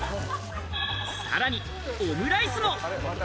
さらにオムライスも。